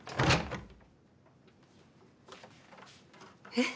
えっ？